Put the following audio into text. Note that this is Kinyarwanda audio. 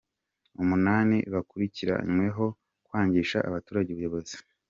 Umunani bakurikiranweho kwangisha abaturage ubuyobozi